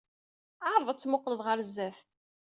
Ɛreḍ ad temmuqqleḍ ɣer sdat.